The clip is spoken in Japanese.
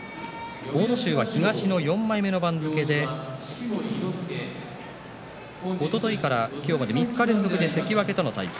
阿武咲は東の４枚目の番付でおとといから昨日まで３日連続で関脇との対戦。